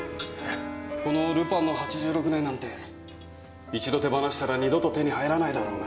この「ル・パン」の８６年なんて一度手放したら二度と手に入らないだろうなぁ。